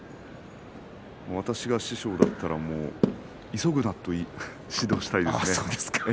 私が師匠だったら急ぐなと指導したいです。